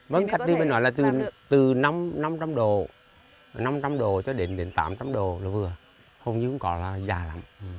vâng gạch như mình nói là từ năm trăm linh đồ năm trăm linh đồ cho đến tám trăm linh đồ là vừa hầu như cũng còn là già lắm